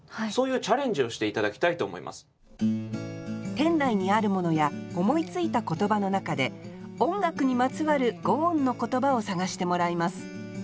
店内にあるものや思いついた言葉の中で音楽にまつわる「五音」の言葉を探してもらいます